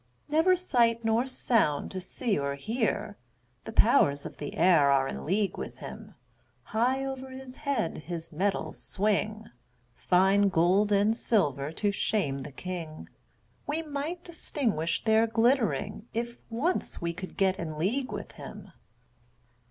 Never sight nor sound to see or hear; The powers of the air are in league with him; High over his head his metals swing, Fine gold and silver to shame the king; We might distinguish their glittering, If once we could get in league with him.